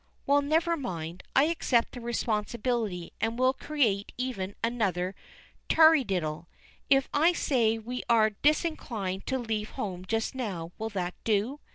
Well; never mind, I accept the responsibility, and will create even another taradiddle. If I say we are disinclined to leave home just now, will that do?"